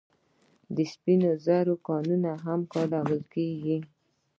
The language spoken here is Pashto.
د سپینو زرو ګاڼې هم کارول کیږي.